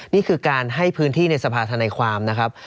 นี่คือการให้พื้นที่ในสภาธนาความนะครับ